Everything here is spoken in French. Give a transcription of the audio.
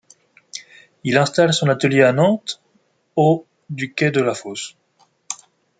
Il installe son atelier à Nantes au du quai de la Fosse.